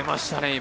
今。